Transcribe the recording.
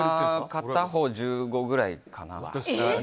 片方１５くらいかな。